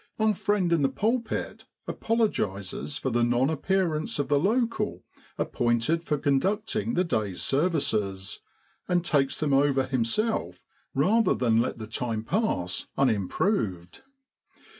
Our friend in the pulpit apologises for the non appearance of the local ap pointed for conducting the day's services, and takes them over himself rather than let the time pass unimproved.